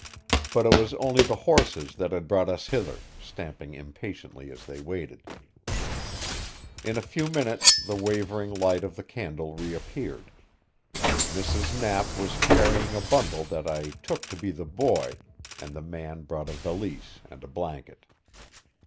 But it was only the horses that had brought us hither, stamping impatiently as they waited. In a few minutes the wavering light of the candle reappeared. Mrs. Knapp was carrying a bundle that I took to be the boy, and the man brought a valise and a blanket.